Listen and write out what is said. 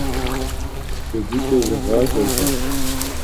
ДжэгукӀэ зэгъащӀэ, щӀалэ!